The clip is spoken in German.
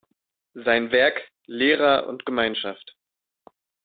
Sein Werk "Lehrer und Gemeinschaft.